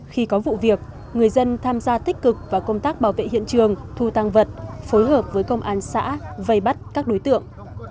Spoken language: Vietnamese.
khi có vụ việc người dân tham gia tích cực vào công tác bảo vệ hiện trường thu tăng vật phối hợp với công an xã vây bắt các đối tượng